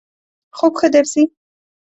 خوب ښه درځی؟